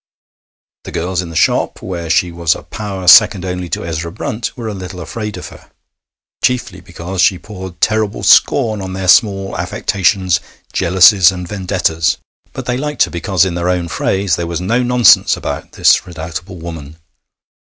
The girls in the shop, where she was a power second only to Ezra Brunt, were a little afraid of her, chiefly because she poured terrible scorn on their small affectations, jealousies, and vendettas. But they liked her because, in their own phrase, 'there was no nonsense about' this redoubtable woman.